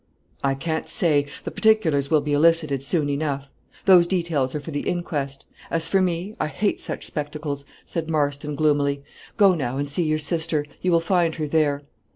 "I can't say; the particulars will be elicited soon enough; those details are for the inquest; as for me, I hate such spectacles," said Marston, gloomily; "go now, and see your sister; you will find her there."